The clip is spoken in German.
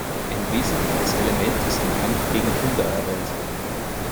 Ein wesentliches Element ist der Kampf gegen Kinderarbeit.